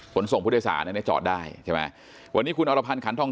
ผลส่งพุทธศาสตร์ในจอดได้ใช่ไหมวันนี้คุณอรพันธ์ขันทอง